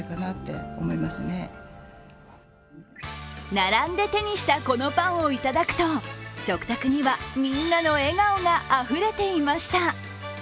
並んで手にしたこのパンをいただくと食卓にはみんなの笑顔があふれていました。